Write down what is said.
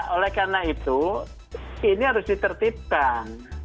oleh karena itu ini harus ditertibkan